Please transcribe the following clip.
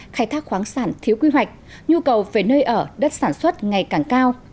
khai thác khoáng sản thiếu quy hoạch nhu cầu về nơi ở đất sản xuất ngày càng cao